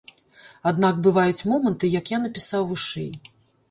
Аднак бываюць моманты, як я напісаў вышэй.